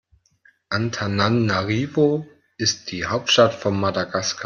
Antananarivo ist die Hauptstadt von Madagaskar.